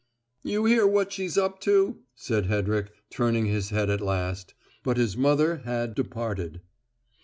"You hear what she's up to?" said Hedrick, turning his head at last. But his mother had departed.